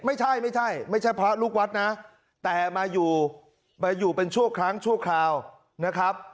ไม่ใช่ไม่ใช่พระลูกวัดนะแต่มาอยู่มาอยู่เป็นชั่วครั้งชั่วคราวนะครับ